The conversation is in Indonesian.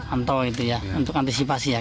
anto itu ya untuk antisipasi ya kan